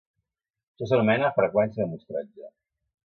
Això s’anomena freqüència de mostratge.